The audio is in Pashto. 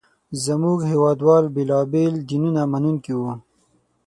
زموږ هېواد وال بېلابېل دینونه منونکي وو.